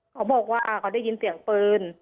เขาบอกว่าเขาได้ยินเสียงปืน